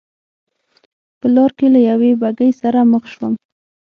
په لار کې له یوې بګۍ سره مخ شوم.